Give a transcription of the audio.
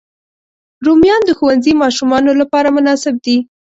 رومیان د ښوونځي ماشومانو لپاره مناسب دي